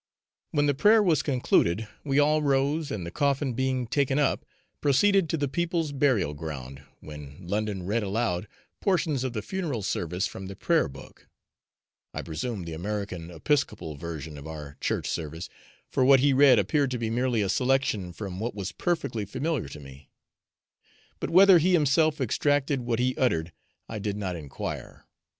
When the prayer was concluded we all rose, and the coffin being taken up, proceeded to the people's burial ground, when London read aloud portions of the funeral service from the prayer book I presume the American episcopal version of our Church service, for what he read appeared to be merely a selection from what was perfectly familiar to me; but whether he himself extracted what he uttered I did not enquire.